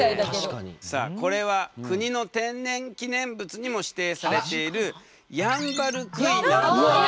さあこれは国の天然記念物にも指定されているヤンバルクイナの羽根。